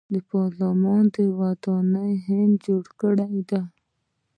د پارلمان ودانۍ هند جوړه کړه.